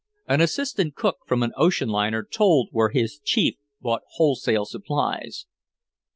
An assistant cook from an ocean liner told where his chief bought wholesale supplies.